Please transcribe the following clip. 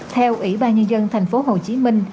theo ủy ban nhân dân thành phố hồ chí minh